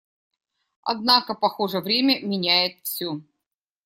Однако, похоже, время меняет все.